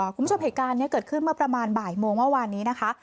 คุณผู้ชมเหตุการณ์นี้เกิดขึ้นเมื่อประมาณบ่ายโมงเมื่อวานนี้นะคะ